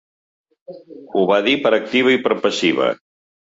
Ho va dir per activa i per passiva.